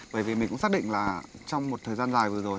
bởi vì mình cũng xác định là trong một thời gian dài vừa rồi